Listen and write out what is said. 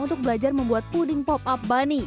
untuk belajar membuat puding pop up bunny